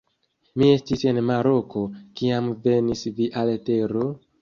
Mi estis en Maroko, kiam venis via letero.